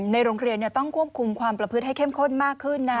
ในโรงเรียนต้องควบคุมความประพฤติให้เข้มข้นมากขึ้น